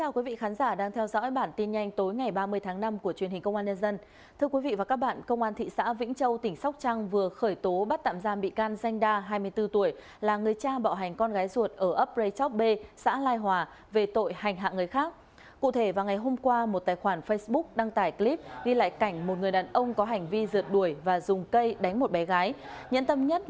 các bạn hãy đăng ký kênh để ủng hộ kênh của chúng mình nhé